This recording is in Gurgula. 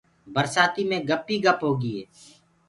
برسآتيٚ مي گپ ئيٚ گپ هوگي هي۔